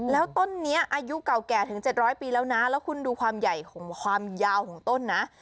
แล้วต้นนี้อายุเก่าแก่ถึง๗๐๐ปีแล้วนะแล้วคุณดูความใหญ่ของความยาวของต้นนะ